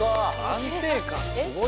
安定感すごい。